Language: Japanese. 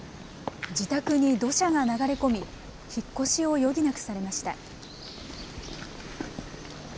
自宅に土砂が流れ込み、引っ越しを余儀なくされました。